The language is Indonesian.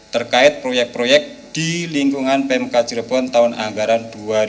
terkait proyek proyek di lingkungan pemkap cirebon tahun anggaran dua ribu delapan belas